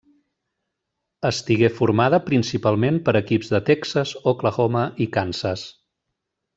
Estigué formada principalment per equips de Texas, Oklahoma i Kansas.